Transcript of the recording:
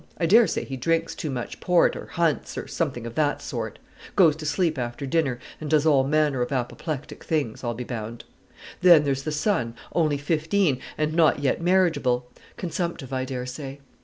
I dare say he drinks too much port, or hunts, or something of that sort; goes to sleep after dinner, and does all manner of apoplectic things, I'll be bound. Then there's the son, only fifteen, and not yet marriageable; consumptive, I dare say.